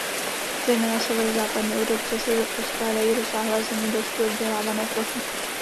Zejména severozápadně od obce se rozkládají rozsáhlé zemědělsky obdělávané plochy.